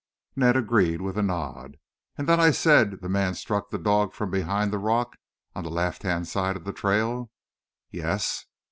Ned agreed with a nod. "And that I said the man struck the dog from behind the rock on the left hand side of the trail?" "Yes."